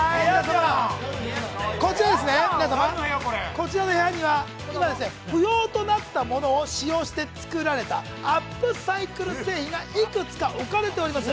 こちらの部屋には、不要となったものを使用して作られたアップサイクル製品がいくつか置かれております。